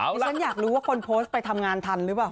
ที่ฉันอยากรู้ว่าคนโพสต์ไปทำงานทันหรือเปล่า